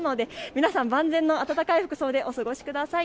皆さん、万全の暖かい服装でお過ごしください。